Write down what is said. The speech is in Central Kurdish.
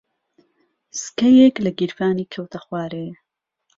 سکەیەک لە گیرفانی کەوتە خوارێ.